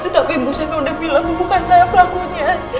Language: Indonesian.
tapi ibu saya udah bilang bukan saya pelakunya